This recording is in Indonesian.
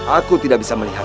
aku tidak bisa melihat